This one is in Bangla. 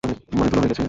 মানে, ধুলো হয়ে গেছে?